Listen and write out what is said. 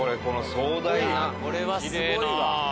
これはすごいわ。